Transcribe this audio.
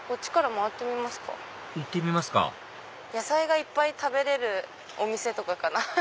行ってみますか野菜がいっぱい食べれるお店とかかな。